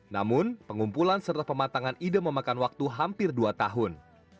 namun pengumpulan serta pematangan ide memakan waktu hampir dua tahun